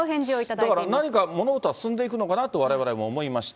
だから何か物事は進んでいくのかなと、われわれも思いました。